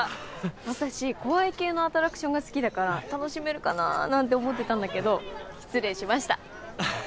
私怖い系のアトラクションが好きだから楽しめるかななんて思ってたんだけど失礼しました。